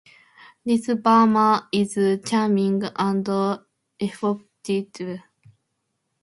Ritu Varma is charming and effective.